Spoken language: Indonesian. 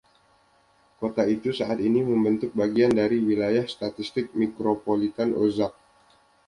Kota itu saat ini membentuk bagian dari wilayah statistik mikropolitan Ozark.